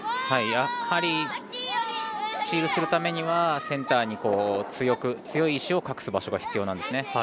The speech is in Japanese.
やはりスチールするためにはセンターに強い石を隠す場所が必要なんですね。